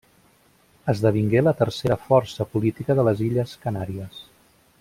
Esdevingué la tercera força política de les Illes Canàries.